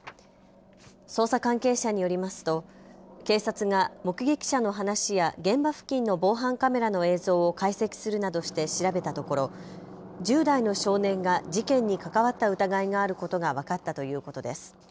捜査関係者によりますと警察が目撃者の話や現場付近の防犯カメラの映像を解析するなどして調べたところ、１０代の少年が事件に関わった疑いがあることが分かったということです。